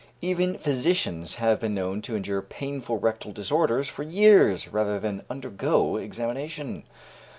Even physicians have been known to endure painful rectal disorders for years, rather than undergo examination.